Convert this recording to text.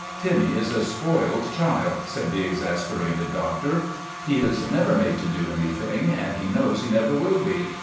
" Timmy is a spoiled child," said the exasperated doctor. ' He is never made to do anything and he knows he never will be.